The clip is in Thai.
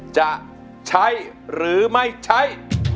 จะใช้หรือไม่ใช้